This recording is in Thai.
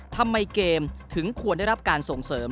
ทำไมเกมถึงควรได้รับการส่งเสริม